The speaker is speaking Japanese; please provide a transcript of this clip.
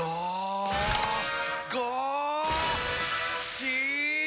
し！